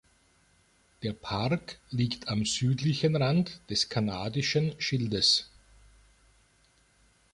Der Park liegt am südlichen Rand des Kanadischen Schildes.